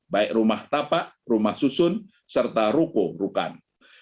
baik rumah tapak rumah susun serta ruko rukan